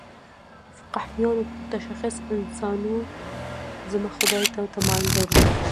فقیهانو متشخص انسانوزمه خدای ته تمایل درلود.